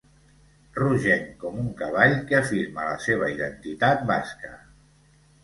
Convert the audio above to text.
Rogenc com un cavall que afirma la seva identitat basca.